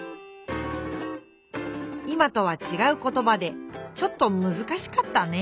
今とはちがう言ばでちょっとむずかしかったね。